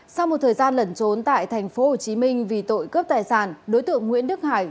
sau một thời gian lẩn trốn tại tp hcm vì tội cướp tài sản đối tượng nguyễn đức hải